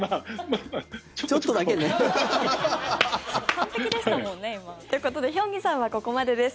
完璧でしたもんね、今。ということでヒョンギさんはここまでです。